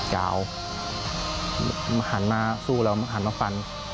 หลังสู้แล้วอันหันผลัน